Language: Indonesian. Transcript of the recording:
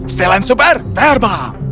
setelan super terbang